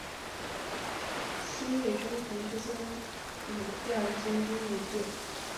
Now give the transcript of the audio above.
西与中延之间以第二京滨为界。